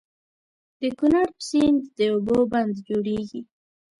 د کنړ په سيند د اوبو بند جوړيږي.